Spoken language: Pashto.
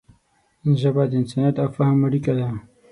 ژبه د انسانیت او فهم اړیکه ده